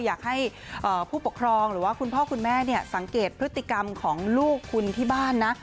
อยากให้ผู้ปกครองหรือว่าคุณพ่อคุณแม่สังเกตพฤติกรรมของลูกคุณที่บ้านนะ